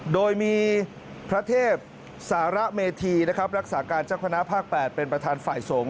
โดยมีพระเทพสารเมธีนะครับรักษาการเจ้าคณะภาค๘เป็นประธานฝ่ายสงฆ